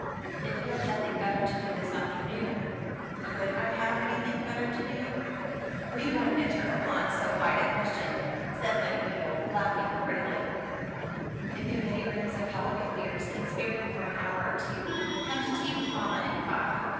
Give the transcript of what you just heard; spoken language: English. "If you have nothing better to do this afternoon " "Could I have anything better to do?" "We won't enter upon so wide a question," said Lady Mabel, laughing prettily. "If committee rooms and public affairs can spare you for an hour or two, come to tea with mamma at five.